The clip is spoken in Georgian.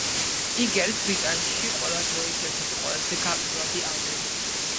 იგი არის ბრიტანეთში ყველა დროის ერთ-ერთი ყველაზე გაყიდვადი ალბომი.